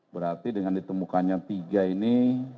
berarti dengan ditemukannya tiga ini